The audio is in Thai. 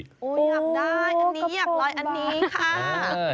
อยากได้อยากลอยอันนี้ค่ะ